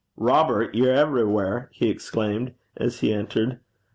'Robert, ye're a' gait (everywhere)!' he exclaimed as he entered.